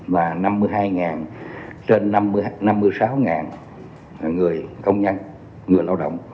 và năm mươi hai trên năm mươi sáu người công nhân người lao động